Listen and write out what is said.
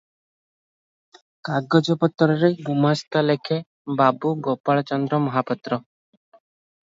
କାଗଜପତ୍ରରେ ଗୁମାସ୍ତା ଲେଖେ, 'ବାବୁ ଗୋପାଳ ଚନ୍ଦ୍ର ମହାପାତ୍ର' ।